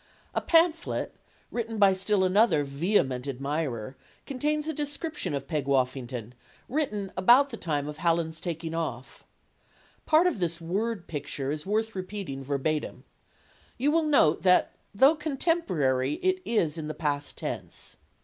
A pamphlet, written by still another vehement ad mirer, contains a description of Peg Woffington, written about the time of Hallam's taking off. Part of this word picture is worth repeating verbatim. You 48 STORIES OF THE SUPER WOMEN will note that, though contemporary, it is in the past tense.